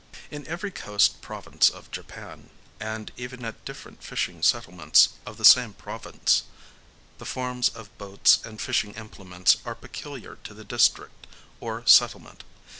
In every coast province of Japan,—and even at different fishing settlements of the same province,—the forms of boats and fishing implements are peculiar to the district or settlement.